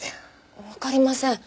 わかりません。